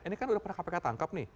ini kan udah pernah kpk tangkap nih